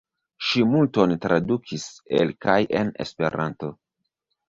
Ŝi multon tradukis el kaj en Esperanto.